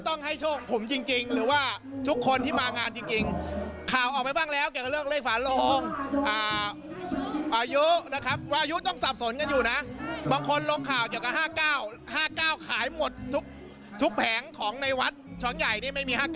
ทุกแผงของในวัดช้อนใหญ่นี่ไม่มี๕๙